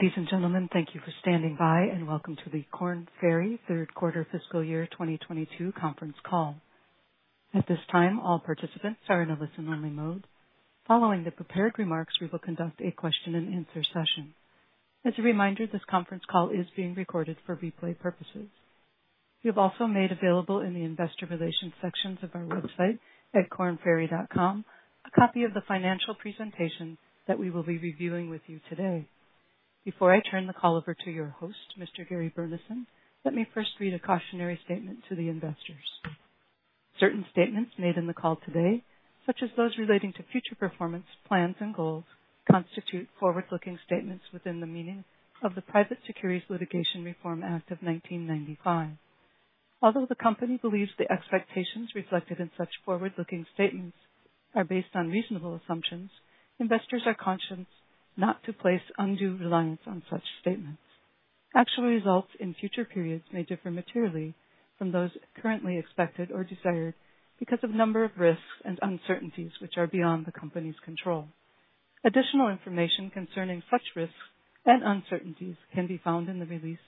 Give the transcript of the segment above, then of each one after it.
Ladies and gentlemen, thank you for standing by and welcome to the Korn Ferry third quarter fiscal year 2022 conference call. At this time, all participants are in a listen-only mode. Following the prepared remarks, we will conduct a question and answer session. As a reminder, this conference call is being recorded for replay purposes. We have also made available in the investor relations sections of our website at kornferry.com a copy of the financial presentation that we will be reviewing with you today. Before I turn the call over to your host, Mr. Gary Burnison, let me first read a cautionary statement to the investors. Certain statements made in the call today, such as those relating to future performance, plans and goals, constitute forward-looking statements within the meaning of the Private Securities Litigation Reform Act of 1995. Although the company believes the expectations reflected in such forward-looking statements are based on reasonable assumptions, investors are cautioned not to place undue reliance on such statements. Actual results in future periods may differ materially from those currently expected or desired because of a number of risks and uncertainties which are beyond the company's control. Additional information concerning such risks and uncertainties can be found in the release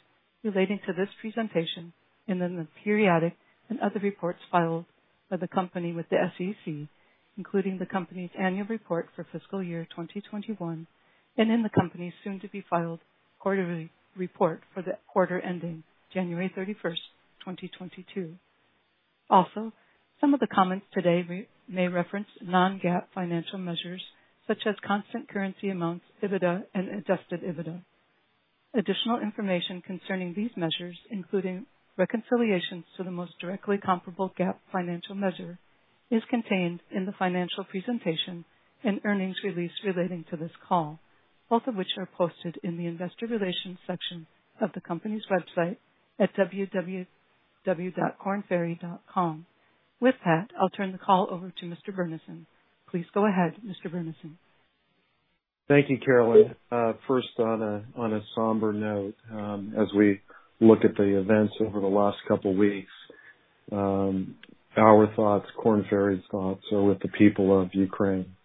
relating to this presentation in the periodic and other reports filed by the company with the SEC, including the company's annual report for fiscal year 2021 and in the company's soon-to-be-filed quarterly report for the quarter ending January 31, 2022. Also, some of the comments today may reference non-GAAP financial measures such as constant currency amounts, EBITDA and adjusted EBITDA. Additional information concerning these measures, including reconciliations to the most directly comparable GAAP financial measure, is contained in the financial presentation and earnings release relating to this call, both of which are posted in the investor relations section of the company's website at www.kornferry.com. With that, I'll turn the call over to Mr. Burnison. Please go ahead, Mr. Burnison. Thank you, Carolyn. First on a somber note, as we look at the events over the last couple weeks, our thoughts, Korn Ferry's thoughts are with the people of Ukraine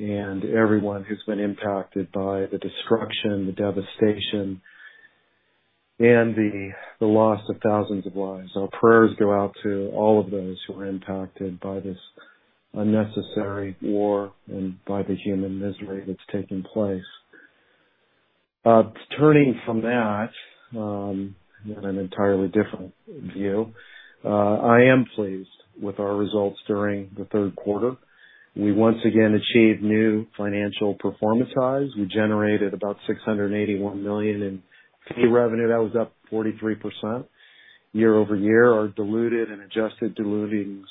and everyone who's been impacted by the destruction, the devastation and the loss of thousands of lives. Our prayers go out to all of those who are impacted by this unnecessary war and by the human misery that's taken place. Turning from that, in an entirely different view, I am pleased with our results during the third quarter. We once again achieved new financial performance highs. We generated about $681 million in fee revenue. That was up 43% year-over-year. Our diluted and adjusted diluted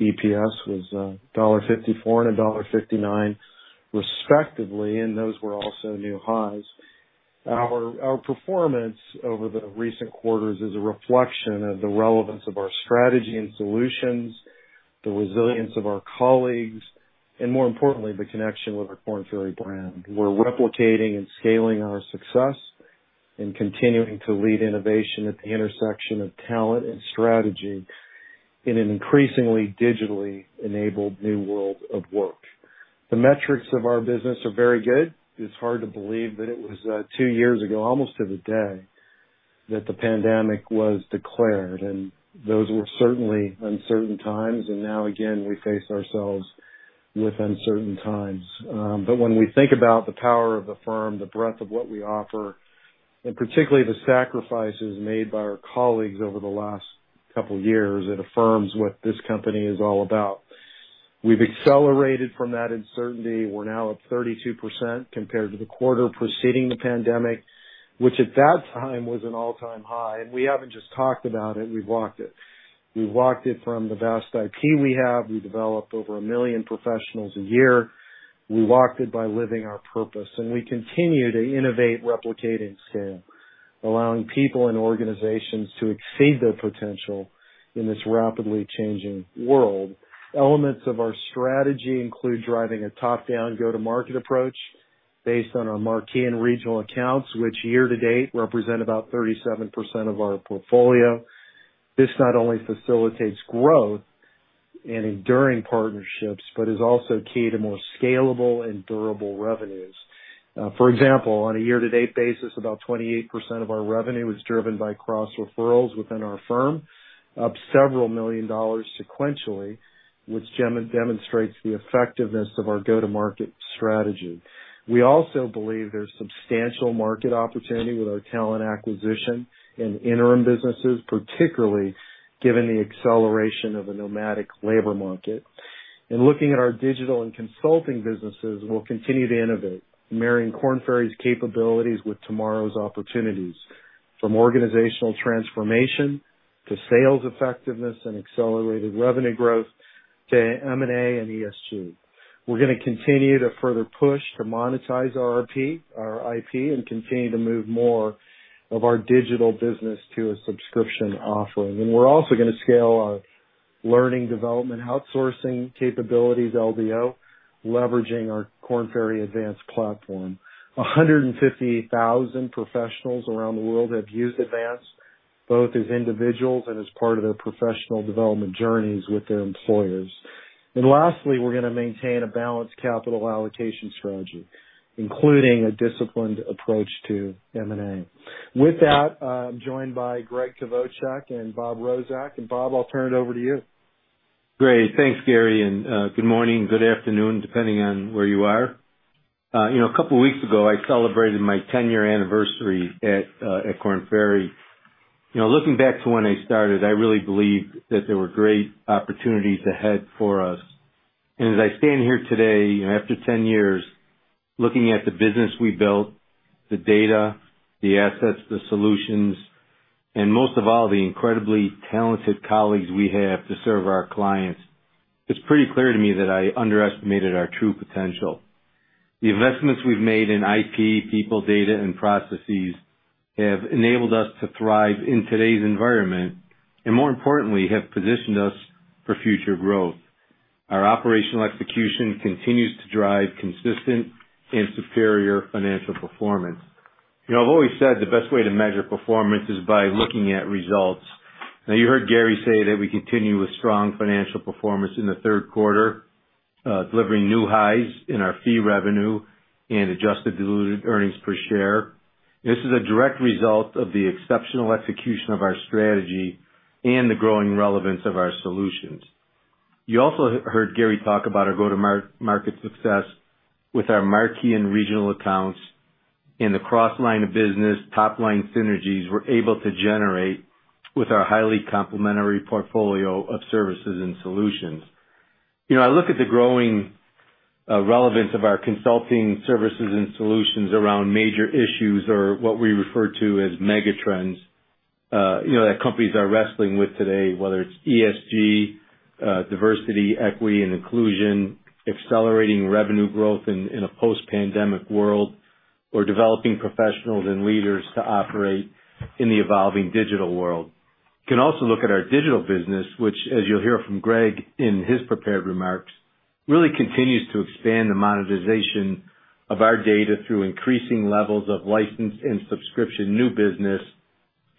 EPS was $1.54 and $1.59 respectively, and those were also new highs. Our performance over the recent quarters is a reflection of the relevance of our strategy and solutions, the resilience of our colleagues, and more importantly, the connection with our Korn Ferry brand. We're replicating and scaling our success and continuing to lead innovation at the intersection of talent and strategy in an increasingly digitally enabled new world of work. The metrics of our business are very good. It's hard to believe that it was 2 years ago, almost to the day, that the pandemic was declared, and those were certainly uncertain times. Now again, we face ourselves with uncertain times. But when we think about the power of the firm, the breadth of what we offer, and particularly the sacrifices made by our colleagues over the last couple years, it affirms what this company is all about. We've accelerated from that uncertainty. We're now up 32% compared to the quarter preceding the pandemic, which at that time was an all-time high. We haven't just talked about it, we've walked it. We've walked it from the vast IP we have. We developed over 1 million professionals a year. We walked it by living our purpose, and we continue to innovate, replicate, and scale, allowing people and organizations to exceed their potential in this rapidly changing world. Elements of our strategy include driving a top-down go-to-market approach based on our marquee and regional accounts, which year to date represent about 37% of our portfolio. This not only facilitates growth and enduring partnerships, but is also key to more scalable and durable revenues. For example, on a year-to-date basis, about 28% of our revenue is driven by cross referrals within our firm, up several million sequentially, which demonstrates the effectiveness of our go-to-market strategy. We also believe there's substantial market opportunity with our talent acquisition and interim businesses, particularly given the acceleration of a nomadic labor market. In looking at our digital and consulting businesses, we'll continue to innovate, marrying Korn Ferry's capabilities with tomorrow's opportunities, from organizational transformation to sales effectiveness and accelerated revenue growth to M&A and ESG. We're gonna continue to further push to monetize our IP and continue to move more of our digital business to a subscription offering. We're also gonna scale our learning development outsourcing capabilities, LDO, leveraging our Korn Ferry Advance platform. 150,000 professionals around the world have used Advance. Both as individuals and as part of their professional development journeys with their employers. Lastly, we're gonna maintain a balanced capital allocation strategy, including a disciplined approach to M&A. With that, I'm joined by Gregg Kvochak and Bob Rozek. Bob, I'll turn it over to you. Great. Thanks, Gary, and good morning, good afternoon, depending on where you are. You know, a couple weeks ago, I celebrated my 10-year anniversary at Korn Ferry. You know, looking back to when I started, I really believed that there were great opportunities ahead for us. As I stand here today, after 10 years, looking at the business we built, the data, the assets, the solutions, and most of all, the incredibly talented colleagues we have to serve our clients, it's pretty clear to me that I underestimated our true potential. The investments we've made in IT, people, data, and processes have enabled us to thrive in today's environment, and more importantly, have positioned us for future growth. Our operational execution continues to drive consistent and superior financial performance. You know, I've always said the best way to measure performance is by looking at results. Now, you heard Gary say that we continue with strong financial performance in the third quarter, delivering new highs in our fee revenue and adjusted diluted earnings per share. This is a direct result of the exceptional execution of our strategy and the growing relevance of our solutions. You also heard Gary talk about our go-to-market success with our marquee and regional accounts in the cross-line of business, top-line synergies we're able to generate with our highly complementary portfolio of services and solutions. You know, I look at the growing relevance of our consulting services and solutions around major issues or what we refer to as megatrends, you know, that companies are wrestling with today, whether it's ESG, diversity, equity, and inclusion, accelerating revenue growth in a post-pandemic world, or developing professionals and leaders to operate in the evolving digital world. You can also look at our digital business, which, as you'll hear from Greg in his prepared remarks, really continues to expand the monetization of our data through increasing levels of license and subscription new business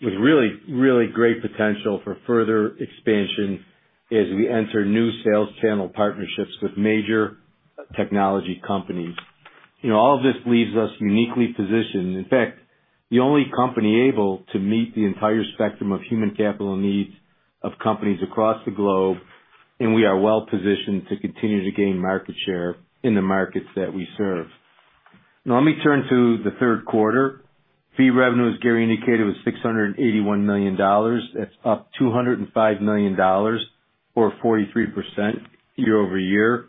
with really, really great potential for further expansion as we enter new sales channel partnerships with major technology companies. You know, all of this leaves us uniquely positioned. In fact, the only company able to meet the entire spectrum of human capital needs of companies across the globe, and we are well-positioned to continue to gain market share in the markets that we serve. Now let me turn to the third quarter. Fee revenues, Gary indicated, was $681 million. That's up $205 million or 43% year-over-year.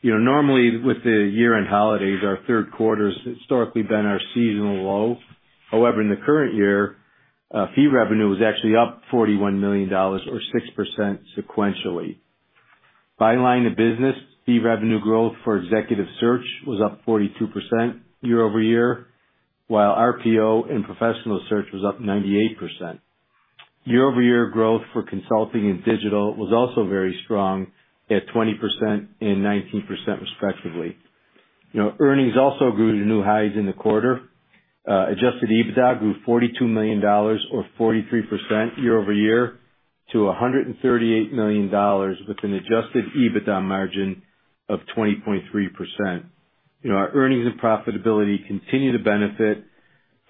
You know, normally with the year-end holidays, our third quarter's historically been our seasonal low. However, in the current year, fee revenue was actually up $41 million or 6% sequentially. By line of business, fee revenue growth for executive search was up 42% year-over-year, while RPO and professional search was up 98%. Year-over-year growth for consulting and digital was also very strong at 20% and 19% respectively. You know, earnings also grew to new highs in the quarter. Adjusted EBITDA grew $42 million or 43% year-over-year to $138 million with an adjusted EBITDA margin of 20.3%. You know, our earnings and profitability continue to benefit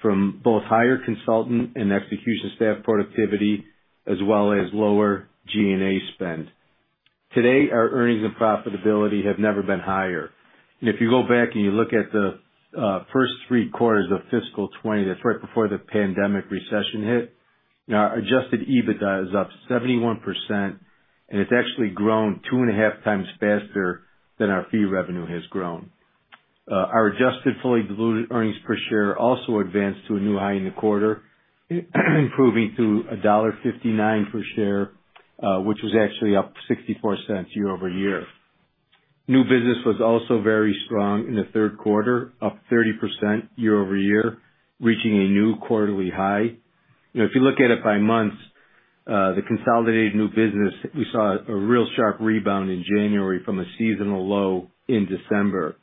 from both higher consultant and execution staff productivity as well as lower G&A spend. Today, our earnings and profitability have never been higher. If you go back and you look at the first three quarters of fiscal 2020, that's right before the pandemic recession hit, our adjusted EBITDA is up 71%, and it's actually grown 2.5 times faster than our fee revenue has grown. Our adjusted fully diluted earnings per share also advanced to a new high in the quarter, improving to $1.59 per share, which was actually up 64 cents year-over-year. New business was also very strong in the third quarter, up 30% year-over-year, reaching a new quarterly high. You know, if you look at it by months, the consolidated new business, we saw a real sharp rebound in January from a seasonal low in December.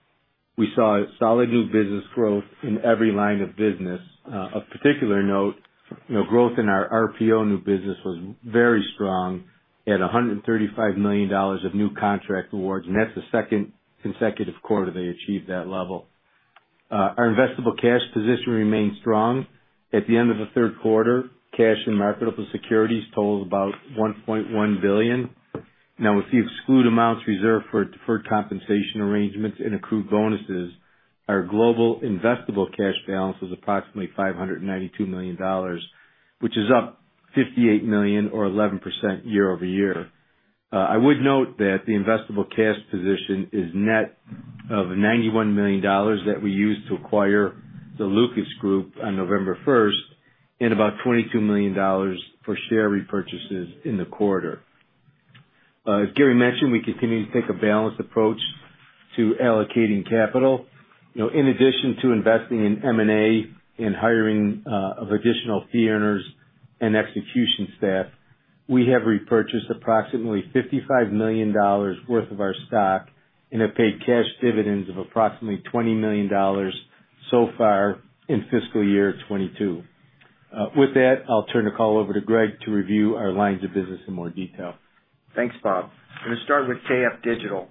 We saw solid new business growth in every line of business. Of particular note, you know, growth in our RPO new business was very strong at $135 million of new contract awards, and that's the second consecutive quarter they achieved that level. Our investable cash position remains strong. At the end of the third quarter, cash and marketable securities totals about $1.1 billion. Now, if you exclude amounts reserved for deferred compensation arrangements and accrued bonuses, our global investable cash balance was approximately $592 million, which is up $58 million or 11% year-over-year. I would note that the investable cash position is net of $91 million that we used to acquire the Lucas Group on November first and about $22 million for share repurchases in the quarter. As Gary mentioned, we continue to take a balanced approach to allocating capital. You know, in addition to investing in M&A and hiring of additional fee earners and execution staff. We have repurchased approximately $55 million worth of our stock and have paid cash dividends of approximately $20 million so far in fiscal year 2022. With that, I'll turn the call over to Greg to review our lines of business in more detail. Thanks, Bob. I'm gonna start with KF Digital.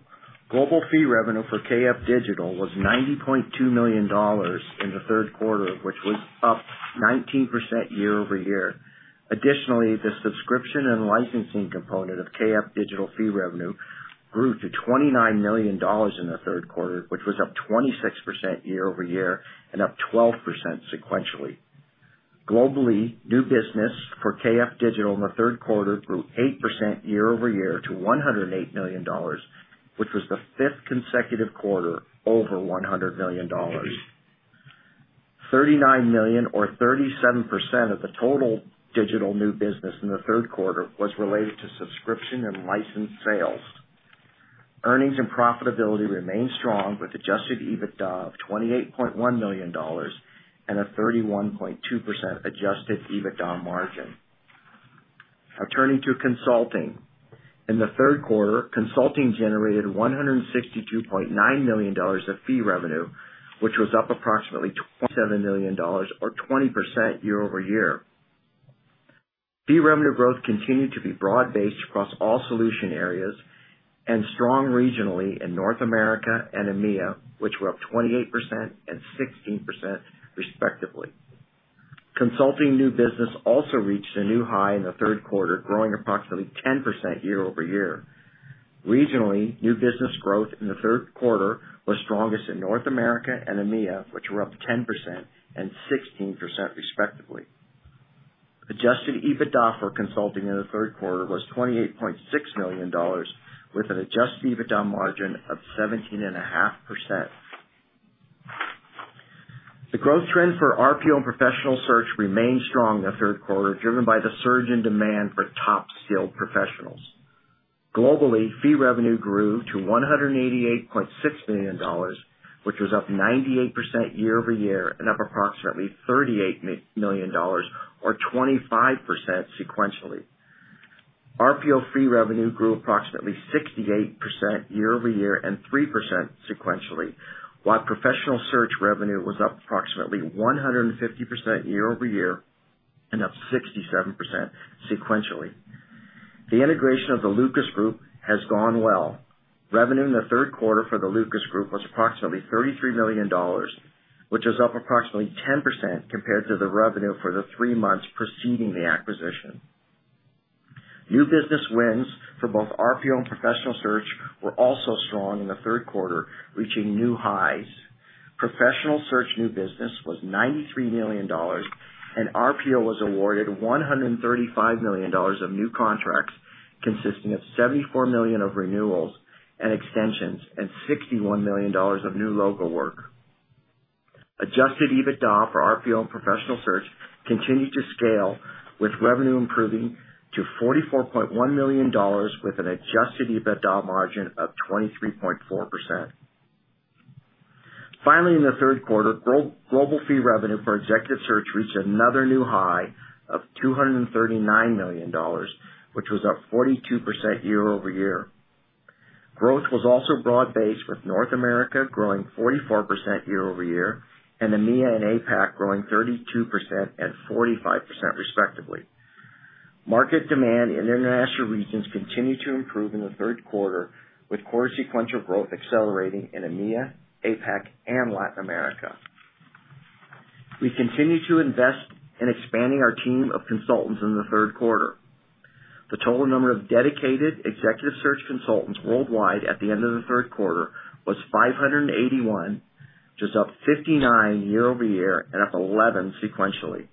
Global fee revenue for KF Digital was $90.2 million in the third quarter, which was up 19% year-over-year. Additionally, the subscription and licensing component of KF Digital fee revenue grew to $29 million in the third quarter, which was up 26% year-over-year and up 12% sequentially. Globally, new business for KF Digital in the third quarter grew 8% year-over-year to $108 million, which was the fifth consecutive quarter over $100 million. $39 million or 37% of the total digital new business in the third quarter was related to subscription and license sales. Earnings and profitability remained strong with adjusted EBITDA of $28.1 million and a 31.2% adjusted EBITDA margin. Now turning to consulting. In the third quarter, consulting generated $162.9 million of fee revenue, which was up approximately $27 million or 20% year-over-year. Fee revenue growth continued to be broad-based across all solution areas and strong regionally in North America and EMEA, which were up 28% and 16% respectively. Consulting new business also reached a new high in the third quarter, growing approximately 10% year-over-year. Regionally, new business growth in the third quarter was strongest in North America and EMEA, which were up 10% and 16% respectively. Adjusted EBITDA for consulting in the third quarter was $28.6 million with an adjusted EBITDA margin of 17.5%. The growth trend for RPO and professional search remained strong in the third quarter, driven by the surge in demand for top skilled professionals. Globally, fee revenue grew to $188.6 million, which was up 98% year-over-year and up approximately $38 million or 25% sequentially. RPO fee revenue grew approximately 68% year-over-year and 3% sequentially, while professional search revenue was up approximately 150% year-over-year and up 67% sequentially. The integration of the Lucas Group has gone well. Revenue in the third quarter for the Lucas Group was approximately $33 million, which is up approximately 10% compared to the revenue for the three months preceding the acquisition. New business wins for both RPO and professional search were also strong in the third quarter, reaching new highs. Professional search new business was $93 million, and RPO was awarded $135 million of new contracts, consisting of $74 million of renewals and extensions and $61 million of new logo work. Adjusted EBITDA for RPO and professional search continued to scale, with revenue improving to $44.1 million with an adjusted EBITDA margin of 23.4%. Finally, in the third quarter, global fee revenue for executive search reached another new high of $239 million, which was up 42% year-over-year. Growth was also broad-based, with North America growing 44% year-over-year and EMEA and APAC growing 32% and 45% respectively. Market demand in international regions continued to improve in the third quarter, with core sequential growth accelerating in EMEA, APAC, and Latin America. We continued to invest in expanding our team of consultants in the third quarter. The total number of dedicated executive search consultants worldwide at the end of the third quarter was 581, which is up 59 year-over-year and up 11 sequentially.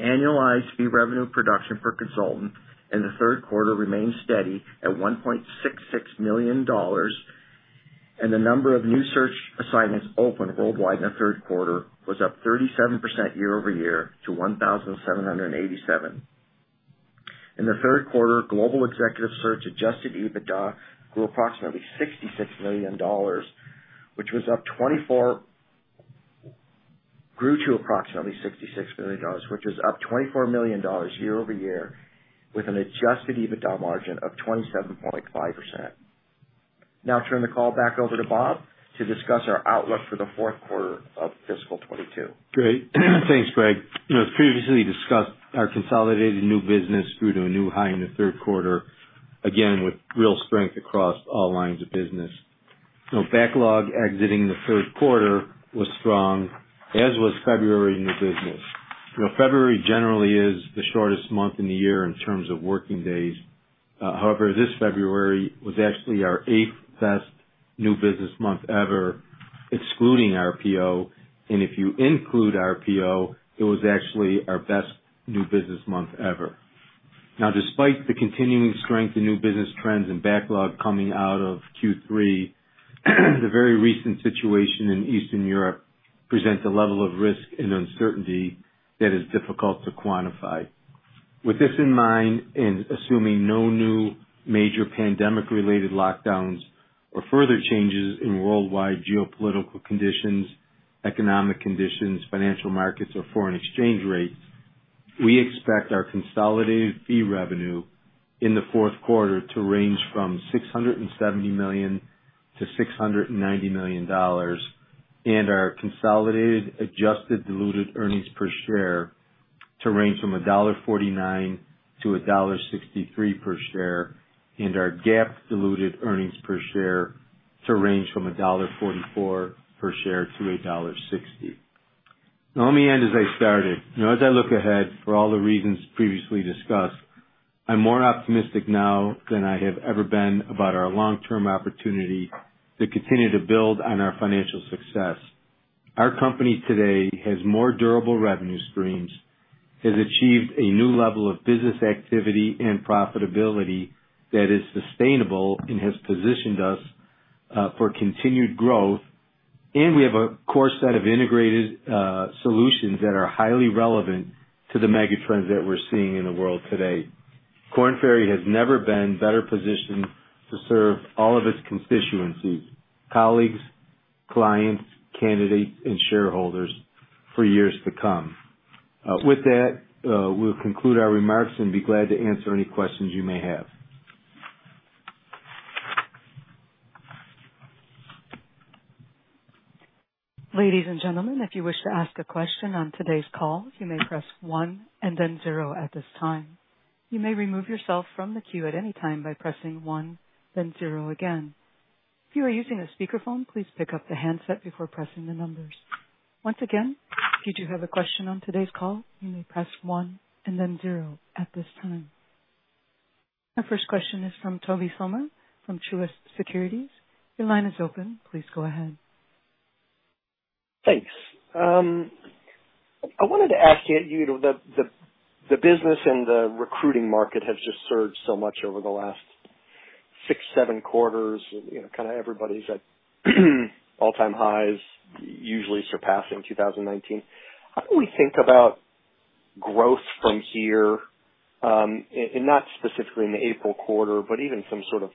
Annualized fee revenue production per consultant in the third quarter remained steady at $1.66 million, and the number of new search assignments opened worldwide in the third quarter was up 37% year-over-year to 1,787. In the third quarter, global executive search adjusted EBITDA grew to approximately $66 million, which is up $24 million year-over-year with an adjusted EBITDA margin of 27.5%. Now I'll turn the call back over to Bob to discuss our outlook for the fourth quarter of fiscal 2022. Great. Thanks, Greg. You know, previously discussed our consolidated new business grew to a new high in the third quarter, again, with real strength across all lines of business. You know, backlog exiting the third quarter was strong, as was February new business. You know, February generally is the shortest month in the year in terms of working days. However, this February was actually our eighth best new business month ever, excluding RPO, and if you include RPO, it was actually our best new business month ever. Now, despite the continuing strength in new business trends and backlog coming out of Q3, the very recent situation in Eastern Europe presents a level of risk and uncertainty that is difficult to quantify. With this in mind, and assuming no new major pandemic-related lockdowns or further changes in worldwide geopolitical conditions Economic conditions, financial markets or foreign exchange rates. We expect our consolidated fee revenue in the fourth quarter to range from $670 million to $690 million, and our consolidated adjusted diluted earnings per share to range from $1.49 to $1.63 per share, and our GAAP diluted earnings per share to range from $1.44 per share to $1.60. Now let me end as I started. Now, as I look ahead, for all the reasons previously discussed, I'm more optimistic now than I have ever been about our long-term opportunity to continue to build on our financial success. Our company today has more durable revenue streams, has achieved a new level of business activity and profitability that is sustainable and has positioned us for continued growth. We have a core set of integrated solutions that are highly relevant to the mega trends that we're seeing in the world today. Korn Ferry has never been better positioned to serve all of its constituencies, colleagues, clients, candidates and shareholders for years to come. With that, we'll conclude our remarks and be glad to answer any questions you may have. Ladies and gentlemen, if you wish to ask a question on today's call, you may press 1 and then 0 at this time. You may remove yourself from the queue at any time by pressing 1, then 0 again. If you are using a speakerphone, please pick up the handset before pressing the numbers. Once again, if you do have a question on today's call, you may press 1 and then 0 at this time. Our first question is from Tobey Sommer from Truist Securities. Your line is open. Please go ahead. Thanks. I wanted to ask you, the business and the recruiting market has just surged so much over the last 6-7 quarters. You know, kind of everybody's at all-time highs, usually surpassing 2019. How do we think about growth from here, and not specifically in the April quarter, but even some sort of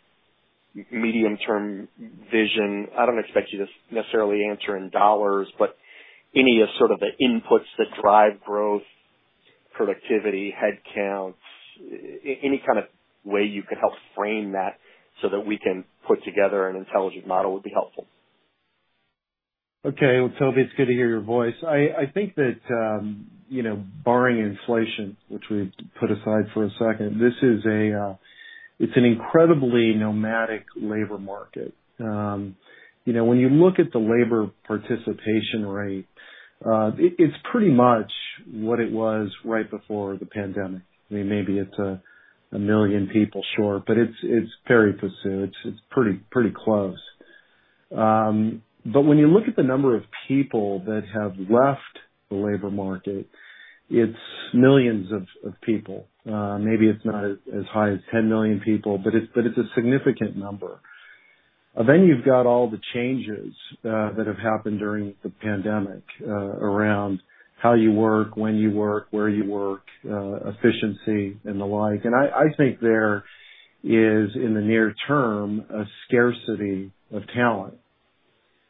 medium term vision. I don't expect you to necessarily answer in dollars, but any sort of the inputs that drive growth, productivity, headcounts, any kind of way you could help frame that so that we can put together an intelligent model would be helpful. Okay. Well, Toby, it's good to hear your voice. I think that you know, barring inflation, which we put aside for a second, this is an incredibly nomadic labor market. You know, when you look at the labor participation rate, it's pretty much what it was right before the pandemic. I mean, maybe it's 1 million people short, but it's very robust. It's pretty close. But when you look at the number of people that have left the labor market, it's millions of people. Maybe it's not as high as 10 million people, but it's a significant number. You've got all the changes that have happened during the pandemic around how you work, when you work, where you work, efficiency and the like. I think there is, in the near term, a scarcity of talent.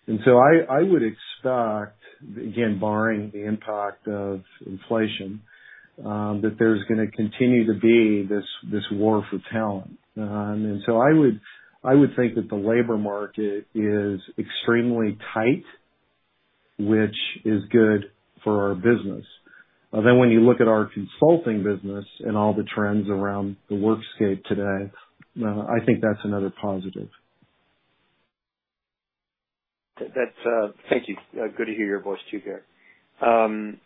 I would expect, again, barring the impact of inflation, that there's gonna continue to be this war for talent. I think that the labor market is extremely tight, which is good for our business. When you look at our consulting business and all the trends around the workscape today, I think that's another positive. Thank you. Good to hear your voice too, Gary. Kind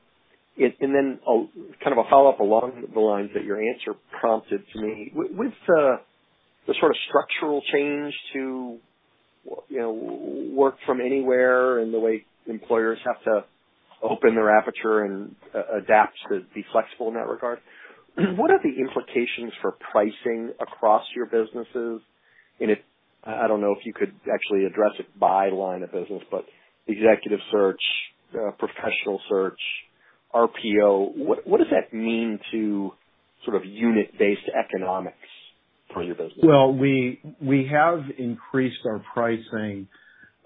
of a follow-up along the lines that your answer prompted to me. With the sort of structural change to, you know, work from anywhere and the way employers have to open their aperture and adapt to be flexible in that regard, what are the implications for pricing across your businesses? I don't know if you could actually address it by line of business, but executive search, professional search, RPO, what does that mean to sort of unit-based economics for your business? Well, we have increased our pricing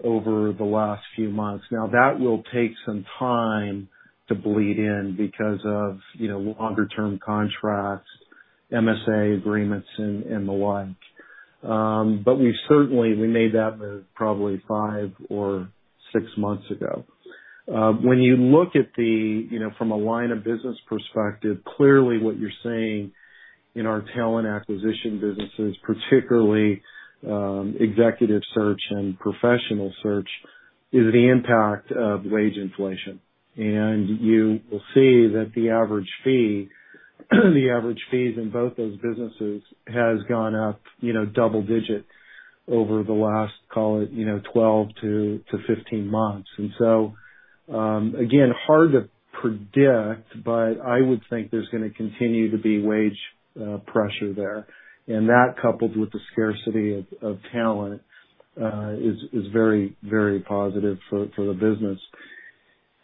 over the last few months. Now that will take some time to bleed in because of, you know, longer term contracts, MSA agreements and the like. We certainly made that move probably 5 or 6 months ago. When you look at the, you know, from a line of business perspective, clearly what you're seeing in our talent acquisition businesses, particularly, executive search and professional search, is the impact of wage inflation. You will see that the average fee, the average fees in both those businesses has gone up, you know, double digit over the last, call it, you know, 12-15 months. Again, hard to predict, but I would think there's gonna continue to be wage pressure there. That, coupled with the scarcity of talent, is very positive for the business.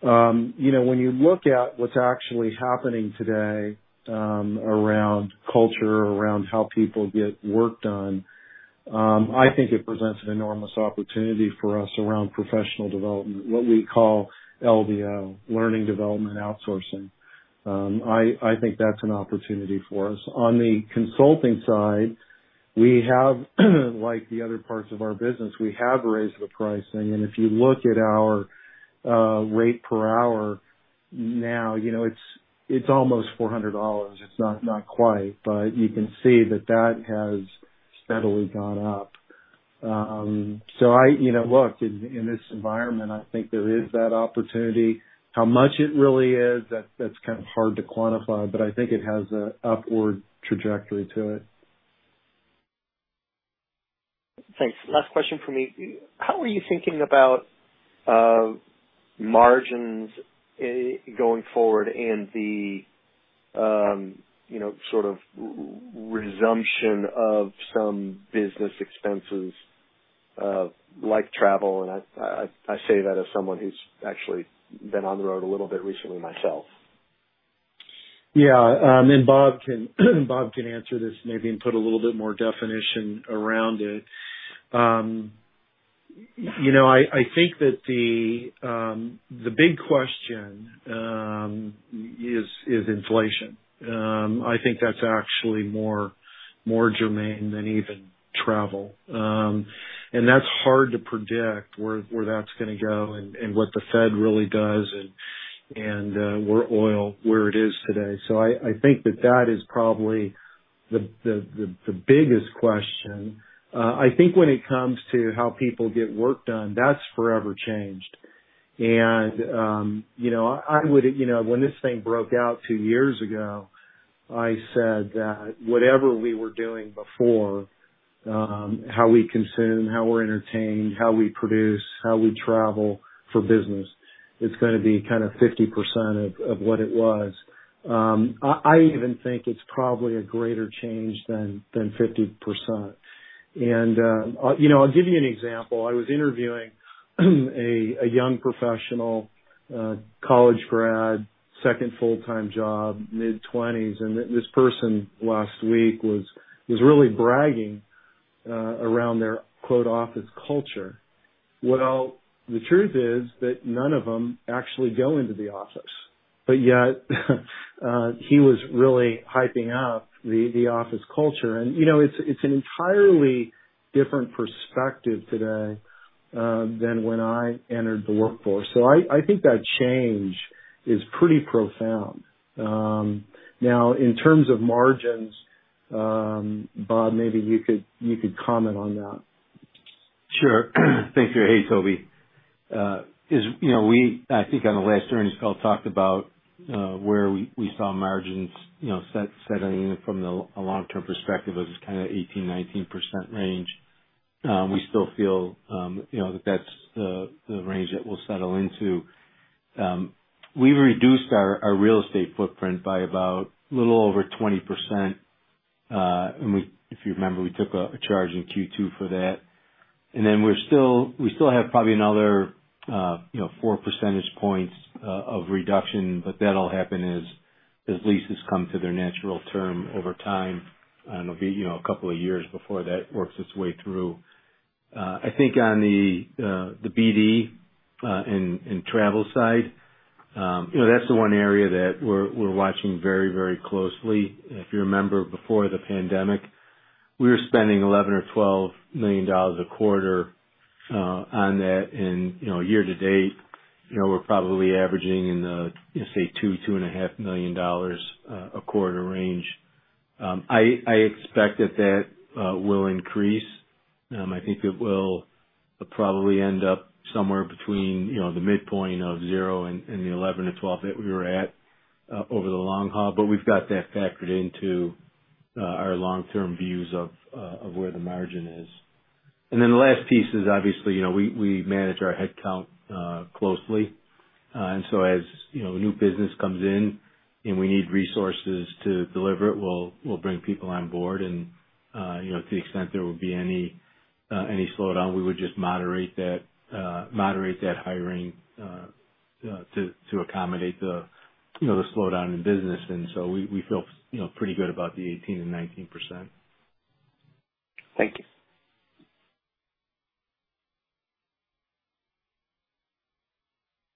You know, when you look at what's actually happening today, around culture, around how people get work done, I think it presents an enormous opportunity for us around professional development, what we call LDO, learning development outsourcing. I think that's an opportunity for us. On the consulting side, we have, like the other parts of our business, we have raised the pricing. If you look at our rate per hour now, you know, it's almost $400. It's not quite, but you can see that that has steadily gone up. You know, look, in this environment, I think there is that opportunity. How much it really is, that's kind of hard to quantify, but I think it has an upward trajectory to it. Thanks. Last question for me. How are you thinking about margins going forward and the you know sort of resumption of some business expenses like travel? I say that as someone who's actually been on the road a little bit recently myself. Yeah. Bob can answer this maybe and put a little bit more definition around it. You know, I think that the big question is inflation. I think that's actually more germane than even travel. That's hard to predict where that's gonna go and what the Fed really does and where oil is today. I think that is probably the biggest question. I think when it comes to how people get work done, that's forever changed. You know, when this thing broke out two years ago, I said that whatever we were doing before, how we consume, how we're entertained, how we produce, how we travel for business, it's gonna be kind of 50% of what it was. I even think it's probably a greater change than 50%. You know, I'll give you an example. I was interviewing a young professional, college grad, second full-time job, mid-20s, and this person last week was really bragging around their, quote, "office culture." Well, the truth is that none of them actually go into the office, but yet, he was really hyping up the office culture. You know, it's an entirely different perspective today than when I entered the workforce. I think that change is pretty profound. Now, in terms of margins, Bob, maybe you could comment on that. Sure. Thanks. Hey, Toby. As you know, I think on the last earnings call, we talked about where we saw margins, you know, settling from a long-term perspective of this kind of 18%-19% range. We still feel, you know, that that's the range that we'll settle into. We reduced our real estate footprint by about a little over 20%. If you remember, we took a charge in Q2 for that. We still have probably another 4 percentage points of reduction, but that'll happen as leases come to their natural term over time, and it'll be, you know, a couple of years before that works its way through. I think on the BD and travel side, you know, that's the one area that we're watching very closely. If you remember, before the pandemic, we were spending $11 million or $12 million a quarter on that. Year to date, you know, we're probably averaging in the, let's say, $2-$2.5 million a quarter range. I expect that will increase. I think it will probably end up somewhere between, you know, the midpoint of zero and the $11-$12 that we were at over the long haul. We've got that factored into our long-term views of where the margin is. The last piece is obviously, you know, we manage our head count closely. you know, new business comes in and we need resources to deliver it, we'll bring people on board. You know, to the extent there would be any slowdown, we would just moderate that hiring to accommodate the, you know, the slowdown in business. We feel, you know, pretty good about the 18% and 19%. Thank you.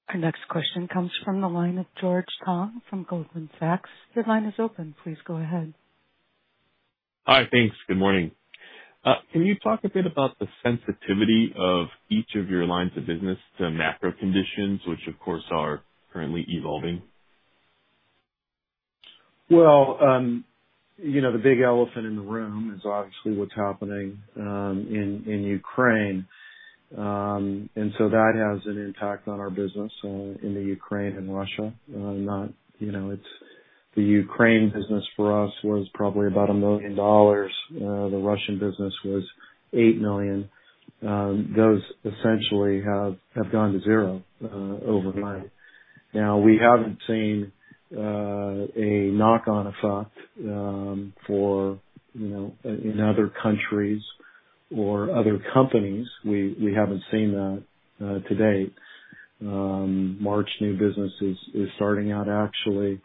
Our next question comes from the line of George Tong from Goldman Sachs. Your line is open. Please go ahead. Hi. Thanks. Good morning. Can you talk a bit about the sensitivity of each of your lines of business to macro conditions, which of course are currently evolving? Well, you know, the big elephant in the room is obviously what's happening in Ukraine. That has an impact on our business in the Ukraine and Russia. The Ukraine business for us was probably about $1 million. The Russian business was $8 million. Those essentially have gone to zero overnight. Now, we haven't seen a knock-on effect in other countries or other companies. We haven't seen that today. March new business is starting out actually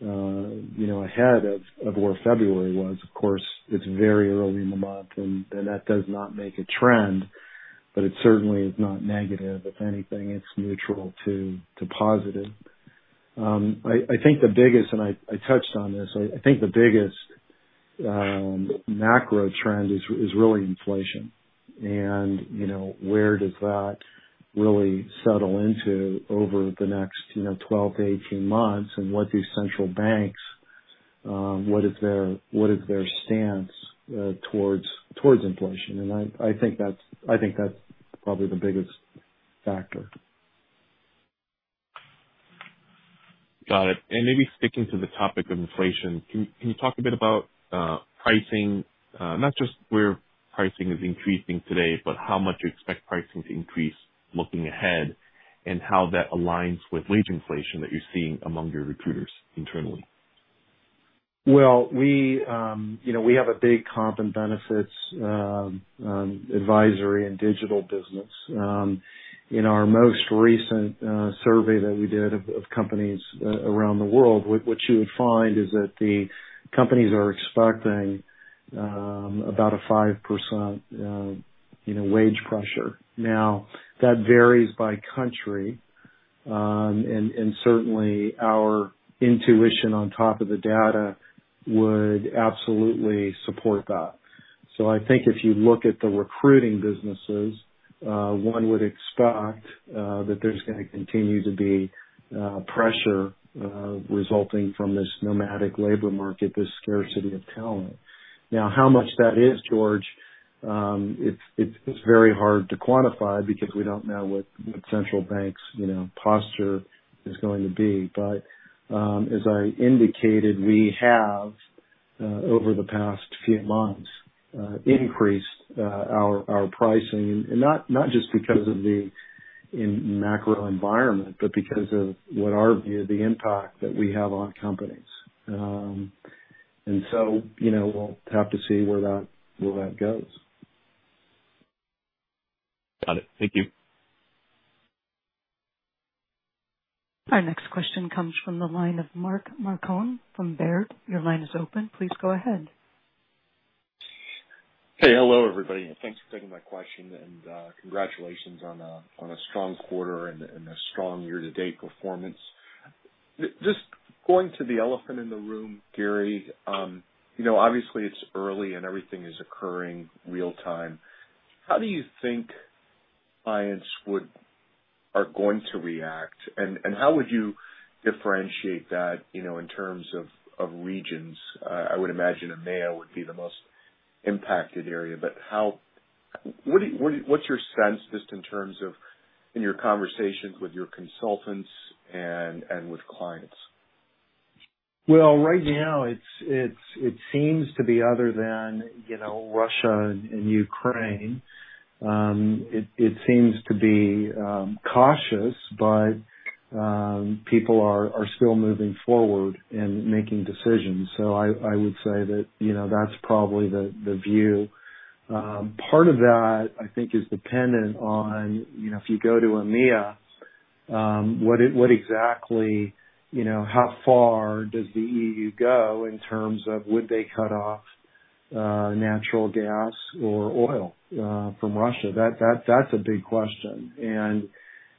ahead of where February was. Of course, it's very early in the month and that does not make a trend, but it certainly is not negative. If anything, it's neutral to positive. I touched on this. I think the biggest macro trend is really inflation. You know, where does that really settle into over the next, you know, 12-18 months and what is their stance towards inflation? I think that's probably the biggest factor. Got it. Maybe sticking to the topic of inflation, can you talk a bit about pricing? Not just where pricing is increasing today, but how much you expect pricing to increase looking ahead and how that aligns with wage inflation that you're seeing among your recruiters internally? Well, we you know, we have a big comp and benefits advisory and digital business. In our most recent survey that we did of companies around the world, what you would find is that the companies are expecting about a 5% wage pressure. Now, that varies by country and certainly our intuition on top of the data would absolutely support that. I think if you look at the recruiting businesses, one would expect that there's gonna continue to be pressure resulting from this nomadic labor market, this scarcity of talent. Now, how much that is, George, it's very hard to quantify because we don't know what the central bank's you know, posture is going to be. As I indicated, we have over the past few months increased our pricing. Not just because of the macro environment, but because of what our view, the impact that we have on companies. You know, we'll have to see where that goes. Got it. Thank you. Our next question comes from the line of Mark Marcon from Baird. Your line is open. Please go ahead. Hey, hello, everybody, and thanks for taking my question, and congratulations on a strong quarter and a strong year-to-date performance. Just going to the elephant in the room, Gary, obviously it's early and everything is occurring real time. How do you think clients are going to react, and how would you differentiate that in terms of regions? I would imagine EMEA would be the most impacted area. What's your sense just in terms of your conversations with your consultants and with clients? Well, right now it seems to be other than, you know, Russia and Ukraine, it seems to be cautious, but people are still moving forward and making decisions. I would say that, you know, that's probably the view. Part of that, I think, is dependent on, you know, if you go to EMEA, what exactly, you know, how far does the EU go in terms of would they cut off natural gas or oil from Russia? That's a big question.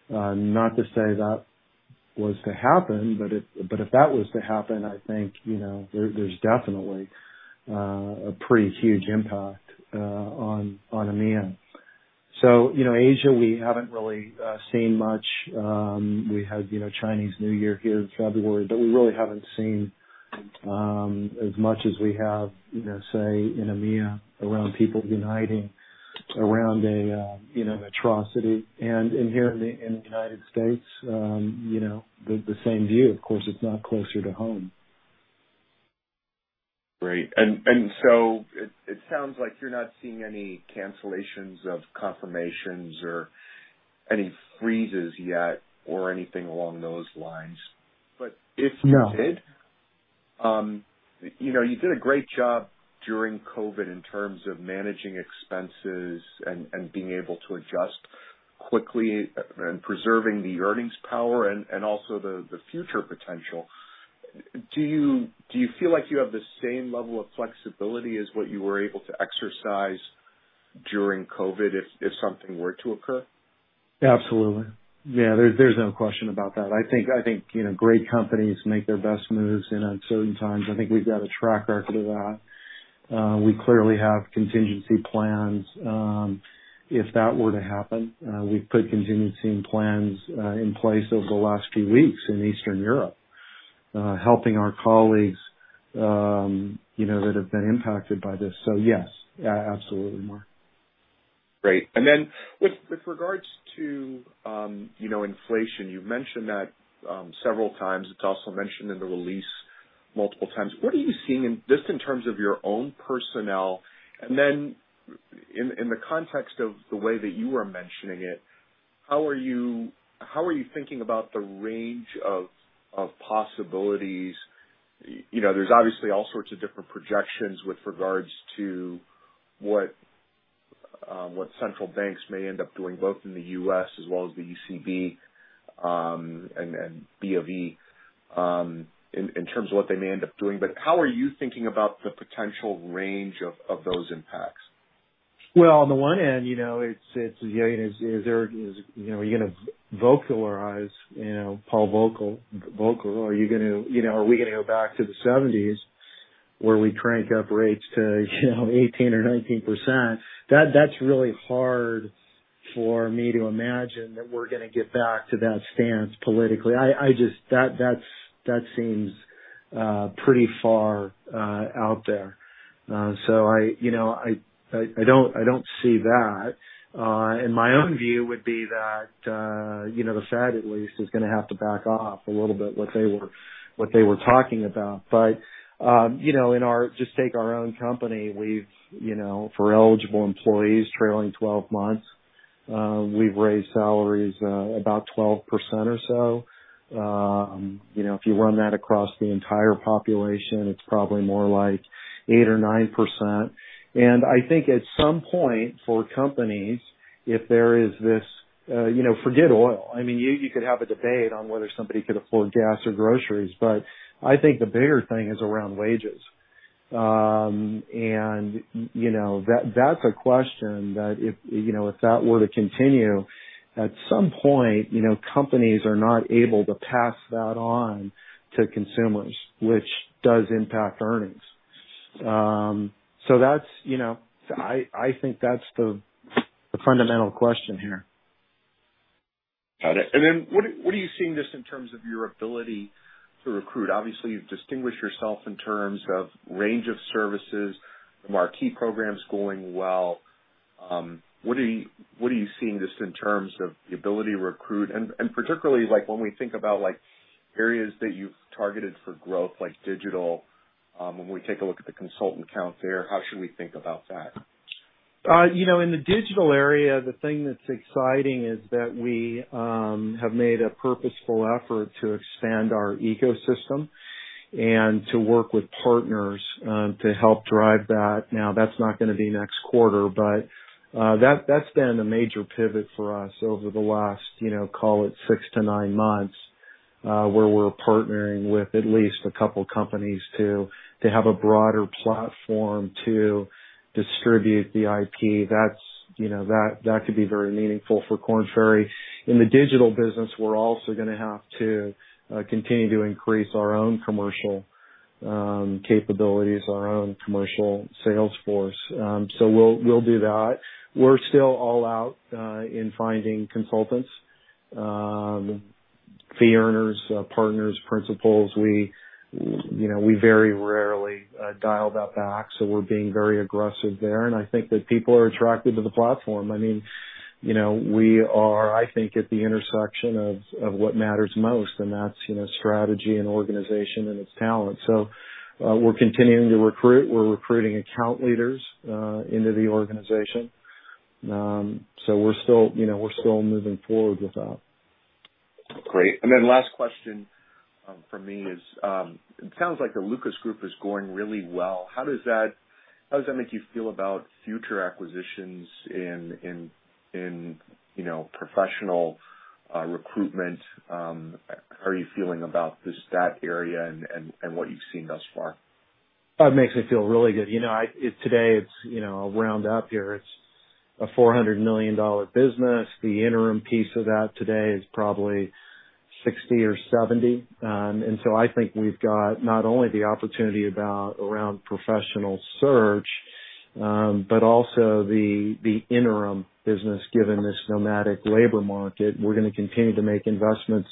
Not to say that was to happen, but if that was to happen, I think, you know, there's definitely a pretty huge impact on EMEA. You know, Asia, we haven't really seen much. We had, you know, Chinese New Year here in February, but we really haven't seen as much as we have, you know, say in EMEA, around people uniting around a, you know, atrocity. In the United States, you know, the same view. Of course, it's not closer to home. Great. It sounds like you're not seeing any cancellations of confirmations or any freezes yet or anything along those lines. No. If you did, you know, you did a great job during COVID in terms of managing expenses and being able to adjust quickly and preserving the earnings power and also the future potential. Do you feel like you have the same level of flexibility as what you were able to exercise during COVID if something were to occur? Absolutely. Yeah, there's no question about that. I think you know, great companies make their best moves in uncertain times. I think we've got a track record of that. We clearly have contingency plans if that were to happen. We've put contingency plans in place over the last few weeks in Eastern Europe, helping our colleagues you know, that have been impacted by this. Yes, yeah, absolutely, Mark. Great. With regards to, you know, inflation, you've mentioned that several times. It's also mentioned in the release multiple times. What are you seeing just in terms of your own personnel, and then in the context of the way that you are mentioning it, how are you thinking about the range of possibilities. You know, there's obviously all sorts of different projections with regards to what central banks may end up doing, both in the U.S. as well as the ECB, and BoE, in terms of what they may end up doing. How are you thinking about the potential range of those impacts? Well, on the one hand, you know, is there, you know, are you gonna Volckerize, you know, Paul Volcker? Are you gonna, you know, are we gonna go back to the seventies where we crank up rates to, you know, 18% or 19%? That's really hard for me to imagine that we're gonna get back to that stance politically. I just. That seems pretty far out there. I, you know, don't see that. My own view would be that, you know, the Fed, at least, is gonna have to back off a little bit what they were talking about. You know, just take our own company. We've you know, for eligible employees trailing 12 months, we've raised salaries about 12% or so. You know, if you run that across the entire population, it's probably more like 8% or 9%. I think at some point for companies, if there is this, you know, forget oil. I mean, you could have a debate on whether somebody could afford gas or groceries, but I think the bigger thing is around wages. You know, that's a question that if you know, if that were to continue, at some point, you know, companies are not able to pass that on to consumers, which does impact earnings. That's you know, I think that's the fundamental question here. Got it. Then what are you seeing just in terms of your ability to recruit? Obviously, you've distinguished yourself in terms of range of services, the Marquee programs going well. What are you seeing just in terms of the ability to recruit and particularly like when we think about like areas that you've targeted for growth, like digital, when we take a look at the consultant count there, how should we think about that? You know, in the digital area, the thing that's exciting is that we have made a purposeful effort to expand our ecosystem and to work with partners to help drive that. Now, that's not gonna be next quarter, but that's been a major pivot for us over the last, you know, call it 6-9 months, where we're partnering with at least a couple companies to have a broader platform to distribute the IP. You know, that could be very meaningful for Korn Ferry. In the digital business, we're also gonna have to continue to increase our own commercial capabilities, our own commercial sales force. We'll do that. We're still all out in finding consultants, fee earners, partners, principals. We, you know, we very rarely dial that back, so we're being very aggressive there. I think that people are attracted to the platform. I mean, you know, we are, I think, at the intersection of what matters most, and that's, you know, strategy and organization and its talent. We're continuing to recruit. We're recruiting account leaders into the organization. We're still, you know, moving forward with that. Great. Last question from me is, it sounds like the Lucas Group is going really well. How does that make you feel about future acquisitions in you know, professional recruitment? How are you feeling about just that area and what you've seen thus far? It makes me feel really good. You know, today, it's, you know, I'll round up here. It's a $400 million business. The interim piece of that today is probably $60-$70. I think we've got not only the opportunity around professional search, but also the interim business, given this nomadic labor market. We're gonna continue to make investments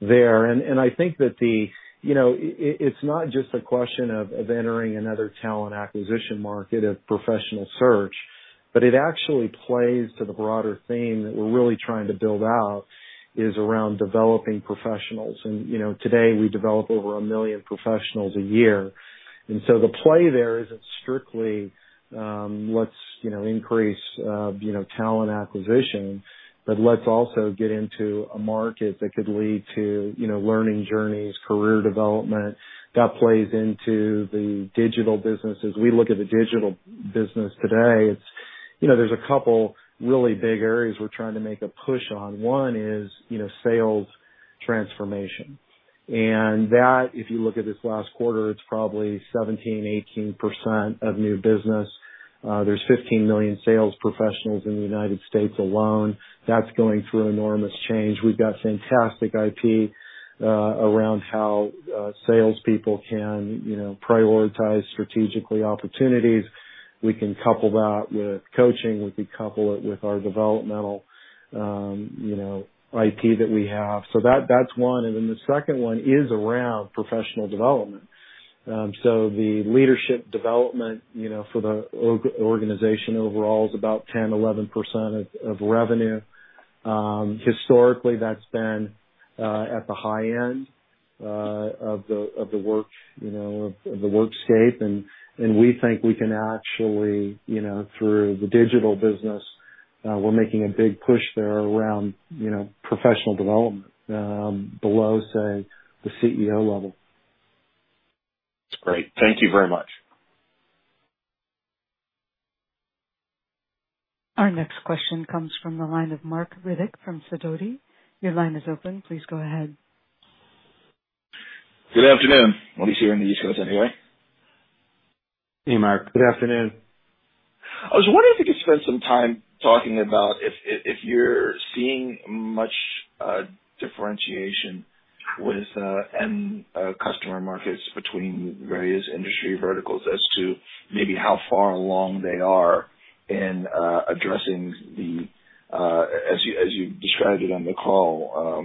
there. I think that it's not just a question of entering another talent acquisition market of professional search, but it actually plays to the broader theme that we're really trying to build out, is around developing professionals. You know, today we develop over 1 million professionals a year. The play there isn't strictly, let's you know increase you know talent acquisition, but let's also get into a market that could lead to you know learning journeys, career development. That plays into the digital business. As we look at the digital business today, it's you know there's a couple really big areas we're trying to make a push on. One is you know sales transformation. That, if you look at this last quarter, it's probably 17%-18% of new business. There's 15 million sales professionals in the United States alone. That's going through enormous change. We've got fantastic IP around how salespeople can you know prioritize strategically opportunities. We can couple that with coaching. We can couple it with our developmental you know IP that we have. That, that's one. The second one is around professional development. The leadership development, you know, for the organization overall is about 10%-11% of revenue. Historically, that's been at the high end of the work, you know, of the workscape. We think we can actually, you know, through the digital business. We're making a big push there around, you know, professional development below, say, the CEO level. Great. Thank you very much. Our next question comes from the line of Marc Riddick from Sidoti. Your line is open. Please go ahead. Good afternoon. At least here on the East Coast, anyway. Hey, Mark. Good afternoon. I was wondering if you could spend some time talking about if you're seeing much differentiation with end customer markets between various industry verticals as to maybe how far along they are in addressing the, as you described it on the call,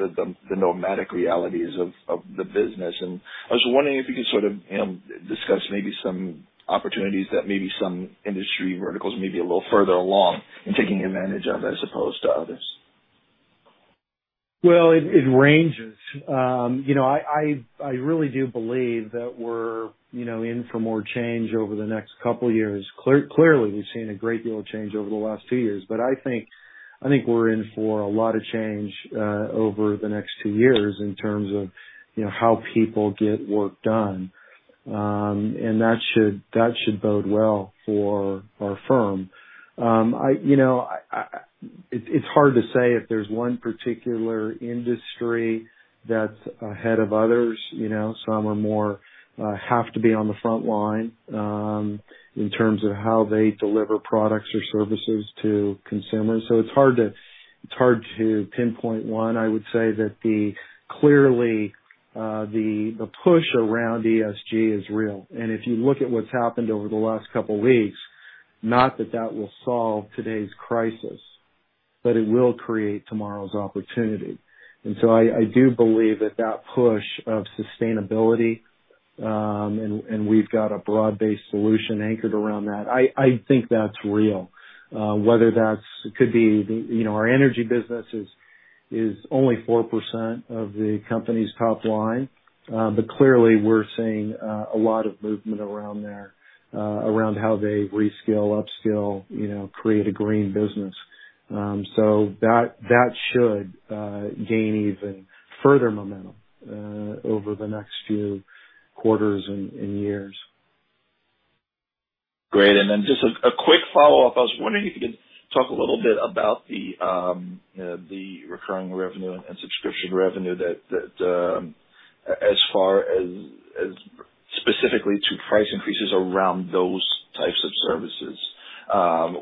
the nomadic realities of the business. I was wondering if you could sort of, you know, discuss maybe some opportunities that maybe some industry verticals may be a little further along in taking advantage of as opposed to others. Well, it ranges. You know, I really do believe that we're, you know, in for more change over the next couple years. Clearly, we've seen a great deal of change over the last two years, but I think we're in for a lot of change over the next two years in terms of, you know, how people get work done. That should bode well for our firm. You know, it's hard to say if there's one particular industry that's ahead of others. You know, some are more have to be on the front line in terms of how they deliver products or services to consumers. It's hard to pinpoint one. I would say that clearly the push around ESG is real. If you look at what's happened over the last couple weeks, not that that will solve today's crisis, but it will create tomorrow's opportunity. I do believe that push of sustainability, and we've got a broad-based solution anchored around that. I think that's real. Whether that's. You know, our energy business is only 4% of the company's top line. But clearly we're seeing a lot of movement around there, around how they reskill, upskill, you know, create a green business. So that should gain even further momentum over the next few quarters and years. Great. Just a quick follow-up. I was wondering if you could talk a little bit about the recurring revenue and subscription revenue that as far as specifically to price increases around those types of services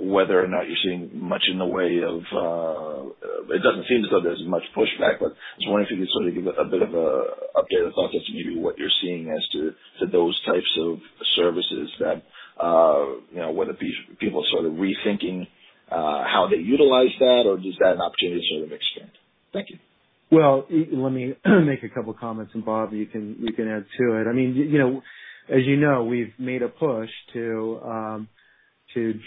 whether or not you're seeing much in the way of. It doesn't seem as though there's much pushback, but I was wondering if you could sort of give a bit of a update of thought as to maybe what you're seeing as to those types of services that you know whether people sort of rethinking how they utilize that or is that an opportunity to sort of extend? Thank you. Well, let me make a couple comments and, Bob, you can add to it. I mean, you know, as you know, we've made a push to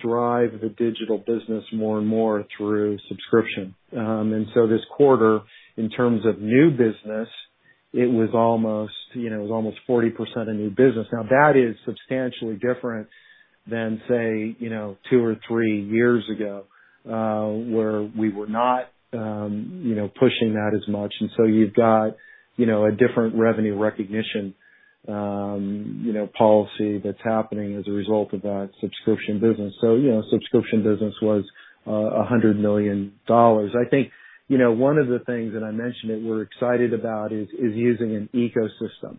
drive the digital business more and more through subscription. This quarter, in terms of new business, it was almost 40% of new business. That is substantially different than, say, you know, 2 or 3 years ago, where we were not pushing that as much. You've got a different revenue recognition policy that's happening as a result of that subscription business. Subscription business was $100 million. I think, you know, one of the things that I mentioned that we're excited about is using an ecosystem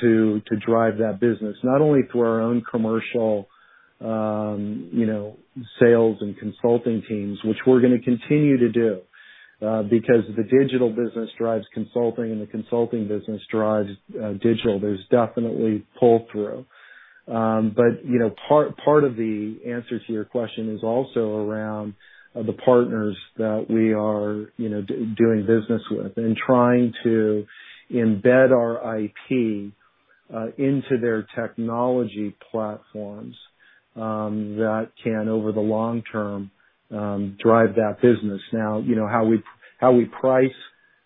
to drive that business, not only through our own commercial, you know, sales and consulting teams, which we're gonna continue to do, because the digital business drives consulting and the consulting business drives digital. There's definitely pull through. You know, part of the answer to your question is also around the partners that we are, you know, doing business with and trying to embed our IP into their technology platforms that can, over the long term, drive that business. Now, you know, how we price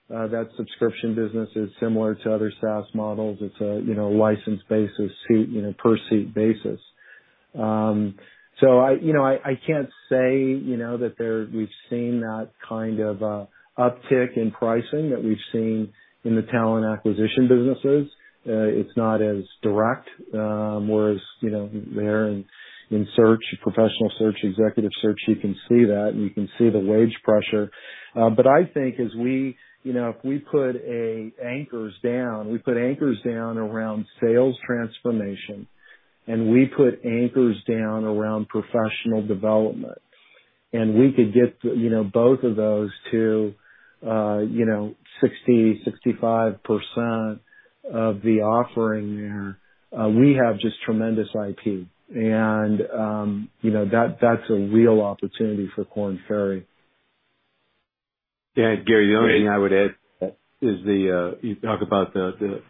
that subscription business is similar to other SaaS models. It's a, you know, license basis, you know, per seat basis. I can't say, you know, that we've seen that kind of uptick in pricing that we've seen in the talent acquisition businesses. It's not as direct, whereas in search, professional search, executive search, you can see that and you can see the wage pressure. I think as we, you know, if we put anchors down around sales transformation and we put anchors down around professional development and we could get, you know, both of those to 60%-65% of the offering there, we have just tremendous IP. You know, that that's a real opportunity for Korn Ferry. Yeah, Gary, the only thing I would add is you talk about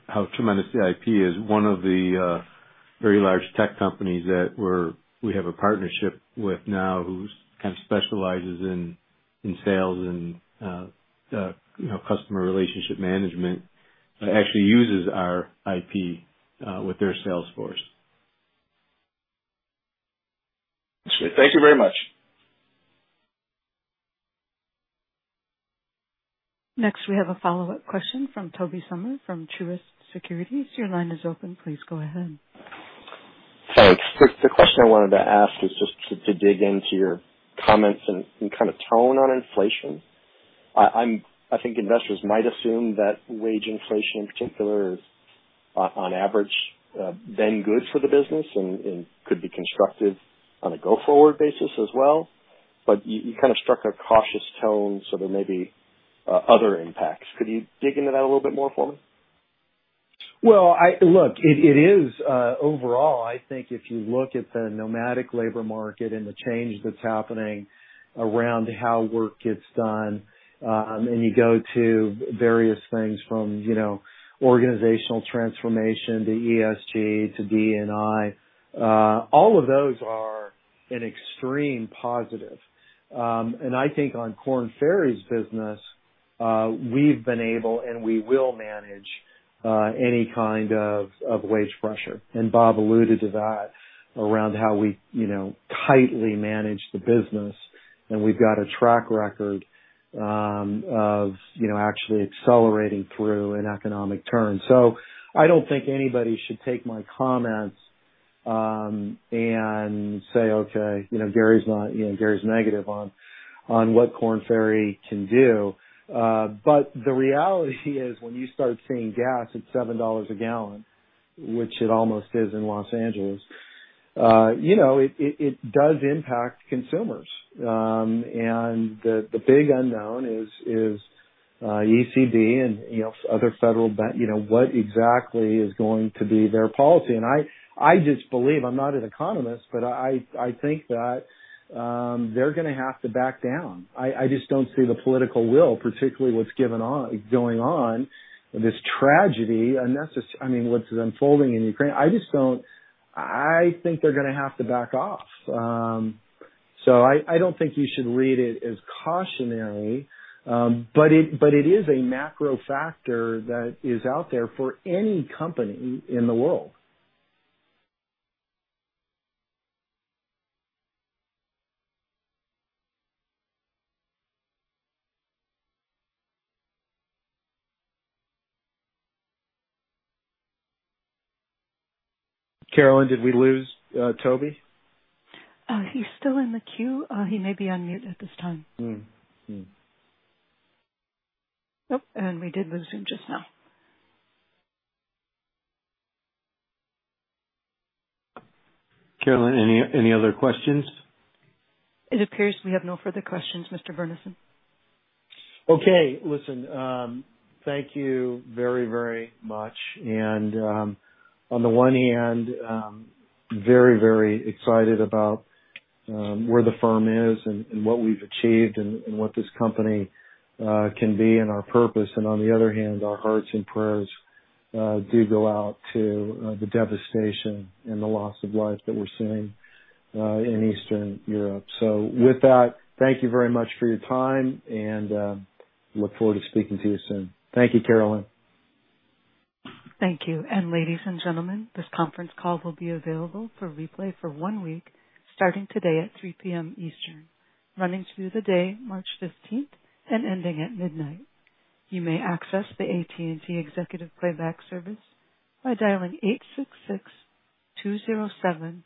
how tremendous the IP is. One of the very large tech companies that we have a partnership with now who kind of specializes in sales and, you know, customer relationship management. Actually uses our IP with their sales force. That's great. Thank you very much. Next, we have a follow-up question from Tobey Sommer from Truist Securities. Your line is open. Please go ahead. Thanks. Gary Burnison, the question I wanted to ask is just to dig into your comments and kind of tone on inflation. I think investors might assume that wage inflation in particular is on average been good for the business and could be constructive on a go-forward basis as well. You kind of struck a cautious tone, so there may be other impacts. Could you dig into that a little bit more for me? Well, look, it is overall, I think if you look at the nomadic labor market and the change that's happening around how work gets done, and you go to various things from, you know, organizational transformation to ESG to D&I, all of those are an extreme positive. I think on Korn Ferry's business, we've been able and we will manage any kind of wage pressure. Bob alluded to that around how we, you know, tightly manage the business. We've got a track record of, you know, actually accelerating through an economic turn. I don't think anybody should take my comments and say, "Okay, you know, Gary's not... You know, Gary's negative on what Korn Ferry can do. The reality is, when you start seeing gas at $7 a gallon, which it almost is in Los Angeles, you know, it does impact consumers. The big unknown is ECB and, you know, other federal. You know, what exactly is going to be their policy. I just believe, I'm not an economist, but I think that they're gonna have to back down. I just don't see the political will, particularly what's going on in this tragedy, unless it's. I mean, what's unfolding in Ukraine. I just don't. I think they're gonna have to back off. I don't think you should read it as cautionary, but it is a macro factor that is out there for any company in the world. Carolyn, did we lose Toby? He's still in the queue. He may be on mute at this time. Mm. Mm. Oh, we did lose him just now. Carolyn, any other questions? It appears we have no further questions, Mr. Burnison. Okay. Listen, thank you very, very much. On the one hand, very, very excited about where the firm is and what we've achieved and what this company can be and our purpose. On the other hand, our hearts and prayers do go out to the devastation and the loss of life that we're seeing in Eastern Europe. With that, thank you very much for your time and look forward to speaking to you soon. Thank you, Carolyn. Thank you. Ladies and gentlemen, this conference call will be available for replay for one week, starting today at 3 P.M. Eastern, running through the day March fifteenth and ending at midnight. You may access the AT&T Executive Playback service by dialing 866-207-1041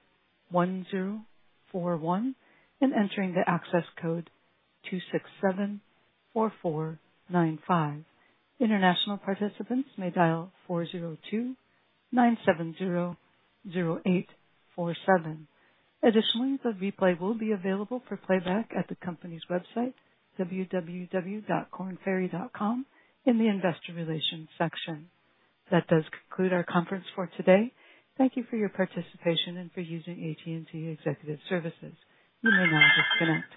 and entering the access code 2674495. International participants may dial 402-970-0847. Additionally, the replay will be available for playback at the company's website, www.kornferry.com, in the investor relations section. That does conclude our conference for today. Thank you for your participation and for using AT&T Executive Services. You may now disconnect.